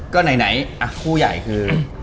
ก็ไหนคู่ใหญ่คือ